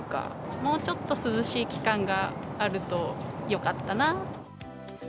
もうちょっと涼しい期間があるとよかったな。